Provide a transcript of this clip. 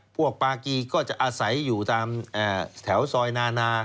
พวกปากีก็จะอาศัยอยู่ตามแถวซอยนานา